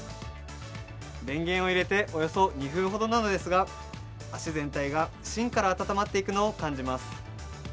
電源を入れておよそ２分ほどなのですが、足全体がしんから温まっていくのを感じます。